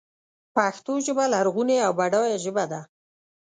پښتو ژبه لرغونۍ او بډایه ژبه ده.